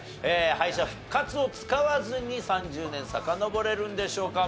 敗者復活を使わずに３０年さかのぼれるんでしょうか？